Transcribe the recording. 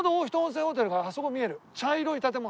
茶色い建物。